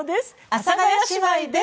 阿佐ヶ谷姉妹です。